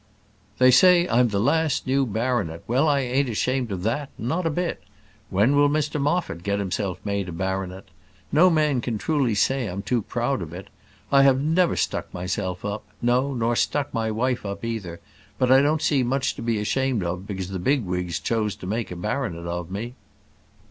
"They say I'm the last new baronet. Well, I ain't ashamed of that; not a bit. When will Mr Moffat get himself made a baronet? No man can truly say I'm too proud of it. I have never stuck myself up; no, nor stuck my wife up either: but I don't see much to be ashamed of because the bigwigs chose to make a baronet of me."